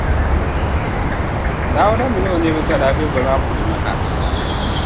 Dauda min’ o niriba gba daa be voli maa puuni ha.